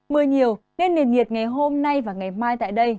mưa nhiều nên nền nhiệt ngày hôm nay và ngày mai tại đây